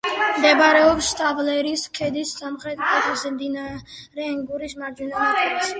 მდებარეობს შდავლერის ქედის სამხრეთ კალთაზე, მდინარე ენგურის მარჯვენა ნაპირას.